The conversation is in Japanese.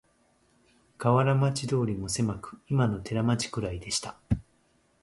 河原町通もせまく、いまの寺町くらいでした